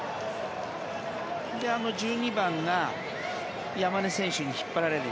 １２番が山根選手に引っ張られる。